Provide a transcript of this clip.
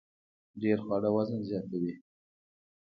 ډیر خواړه وزن زیاتوي